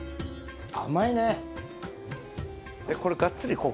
甘いね。